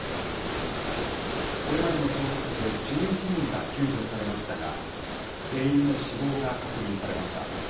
これまでの捜索で１１人が救助されましたが、全員の死亡が確認されました。